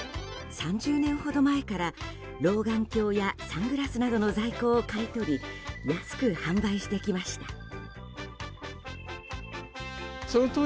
３０年ほど前から老眼鏡やサングラスなどの在庫を買い取り安く販売してきました。